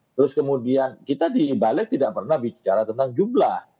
terus kemudian kita di balik tidak pernah bicara tentang jumlah